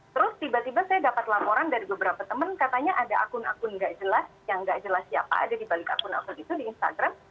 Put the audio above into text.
terus tiba tiba saya dapat laporan dari beberapa teman katanya ada akun akun nggak jelas yang nggak jelas siapa ada di balik akun akun itu di instagram